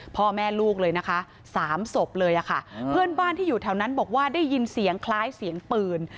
พ่อแม่ลูกเลยนะคะสามศพเลยค่ะเพื่อนบ้านที่อยู่แถวนั้นบอกว่าได้ยินเสียงคล้ายเสียงปืน